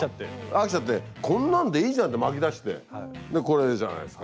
飽きちゃってこんなんでいいじゃんって巻きだしてでこれじゃないっすか。